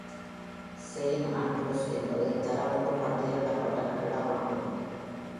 Saint Andrews எனப்து தரம் ஒன்று பட்டியலிடப்பட்ட கட்டிடம் ஆகும்.